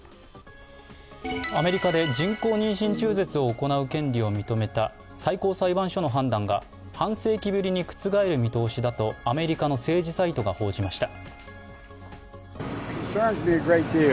アメリカで人工妊娠中絶を行う権利を認めた最高裁判所の判断が半世紀ぶりに覆る見通しだとアメリカの政治サイトが報じました。